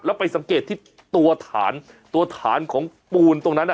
แล้วไปสังเกตที่ตัวฐานตัวฐานของปูนตรงนั้น